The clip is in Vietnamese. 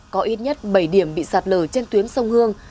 có ít nhất bảy điểm bị sạt lở trên tuyến sông hương